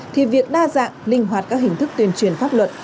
thì việc đa dạng linh hoạt các hình thức tuyên truyền pháp luật